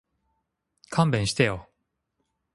勘弁してよ